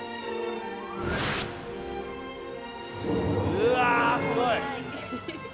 うわあすごい！